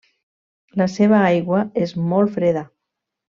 La seva aigua és molt freda.